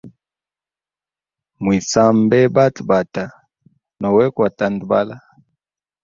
Mwisambe batabata nowe kwa tandabala.